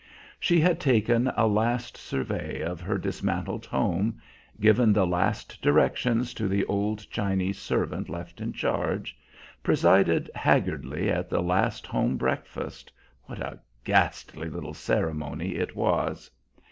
She had taken a last survey of her dismantled home, given the last directions to the old Chinese servant left in charge, presided haggardly at the last home breakfast what a ghastly little ceremony it was!